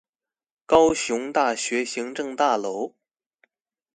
高雄大學行政大樓